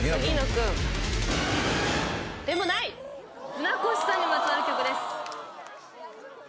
船越さんにまつわる曲です。